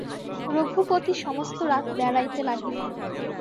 রঘুপতি সমস্ত রাত বেড়াইতে লাগিলেন।